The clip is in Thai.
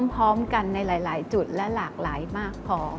พร้อมกันในหลายจุดและหลากหลายมากพอ